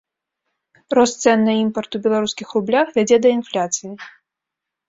Рост цэн на імпарт у беларускіх рублях вядзе да інфляцыі.